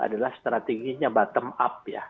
adalah strateginya bottom up ya